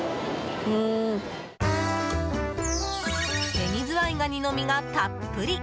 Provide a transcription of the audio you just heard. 紅ズワイガニの身がたっぷり！